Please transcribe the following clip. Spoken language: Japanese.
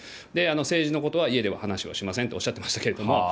政治のことは家では話をしませんと、その方はおっしゃってましたけども。